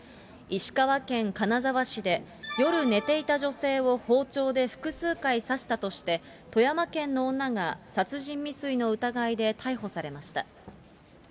石川県金沢市で夜寝ていた女性を包丁で複数回刺したとして、富山県の女が殺人未遂の疑いで逮捕されました。